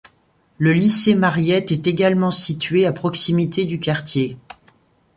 Le lycée Mariette est également situé à proximité du quartier.